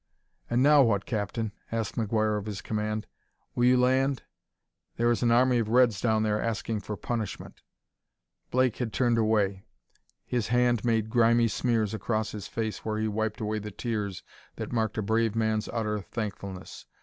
"And now what, Captain?" asked McGuire of his command. "Will you land? There is an army of reds down there asking for punishment." Blake had turned away; his hand made grimy smears across his face where he wiped away the tears that marked a brave man's utter thankfulness.